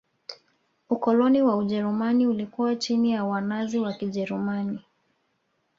ukoloni wa ujerumani ulikuwa chini ya wanazi wa kijerumani